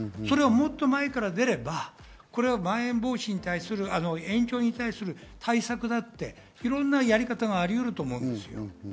もっと前から出ればまん延防止に対する延長に対する対策だっていろんなやり方がありうると思うんですよ。